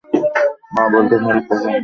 মা বলত ফারুক কখন এসে বলে, মা ভাত দাও।